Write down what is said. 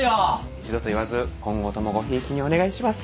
一度と言わず今後ともごひいきにお願いします。